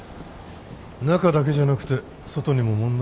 中だけじゃなくて外にも問題あるしねぇ。